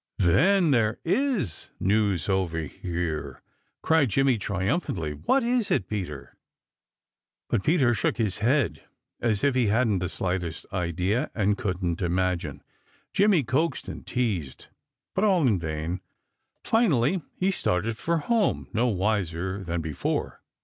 "Then there IS news over here!" cried Jimmy triumphantly. "What is it, Peter?" But Peter shook his head as if he hadn't the slightest idea and couldn't imagine. Jimmy coaxed and teased, but all in vain. Finally he started for home no wiser than before.